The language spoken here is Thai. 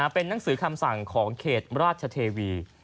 เป็นหนังสือคำสั่งของเขตราชเทวี